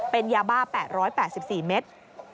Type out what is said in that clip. เป็นยาบ้า๘๘๔เมตร